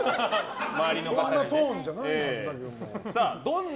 そんなトーンじゃないはずだけどな。